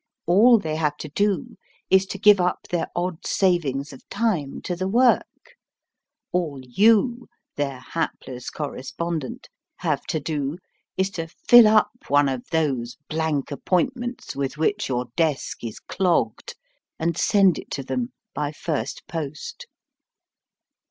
All they have to do is to give up their odd savings of time to the work; all you their hapless correspondent have to do is to fill up one of those blank appointments with which your desk is clogged, and send it to them by first post.